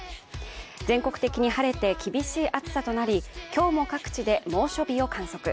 全国的に晴れて厳しい暑さとなり、今日も各地で猛暑日を観測。